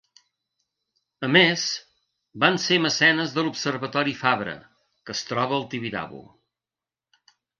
A més, van ser mecenes de l'Observatori Fabra, que es troba al Tibidabo.